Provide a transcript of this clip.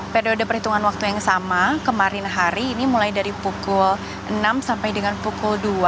periode perhitungan waktu yang sama kemarin hari ini mulai dari pukul enam sampai dengan pukul dua